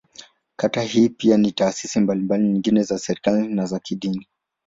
Kata hii pia ina taasisi mbalimbali nyingine za serikali, na za kidini.